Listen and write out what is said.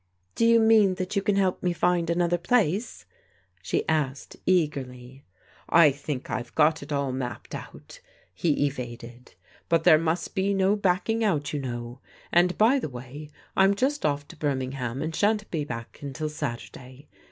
" Do you mean that you can find me another place?" she asked eagerly. " I think I've got it all mapped out," he evaded :" but there must be no backing out, you know. And by the way, I'm just off to Birmingham, and shan't be back until Saturday.